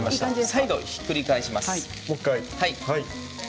再度ひっくり返します。